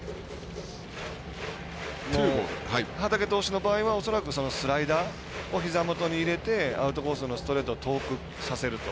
畠投手の場合は、恐らくスライダーをひざ元に入れてアウトコースのストレートを遠くさせると。